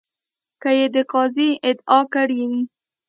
که یې د قاضي ادعا کړې وي.